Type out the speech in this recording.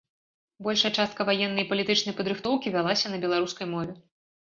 Большая частка ваеннай і палітычнай падрыхтоўкі вялася на беларускай мове.